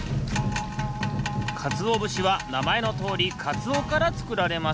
かつおぶしはなまえのとおりかつおからつくられます。